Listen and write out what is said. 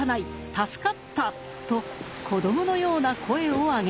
助かった」と子どものような声を上げた。